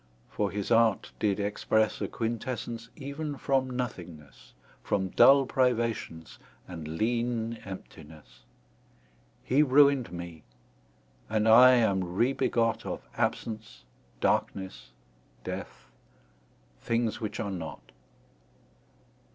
For his art did expresse A quintessence even from nothingnesse, From dull privations, and leane emptinesse: He ruin'd mee, and I am re begot Of absence, darknesse, death; things which are not.